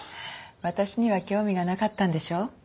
私には興味がなかったんでしょ？